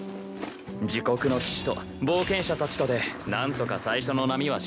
自国の騎士と冒険者たちとでなんとか最初の波は退けた。